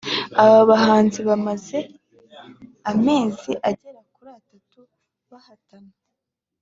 Aba bahanzi bamaze amezi agera kuri atatu bahatana